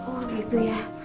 oh gitu ya